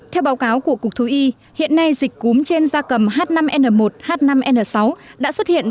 theo báo cáo của cục thú y hiện nay dịch cúm trên da cầm h năm n một h năm n sáu đã xuất hiện